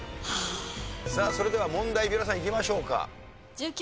さあそれでは問題三浦さんいきましょうか。